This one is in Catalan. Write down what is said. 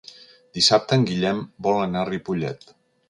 Dissabte en Guillem vol anar a Ripollet.